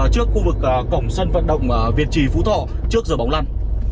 trước khu vực cổng sân vận động việt trì phú thọ trước giờ bóng lăn